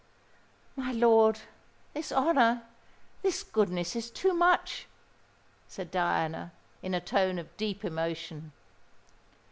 "My lord, this honour—this goodness is too much," said Diana, in a tone of deep emotion.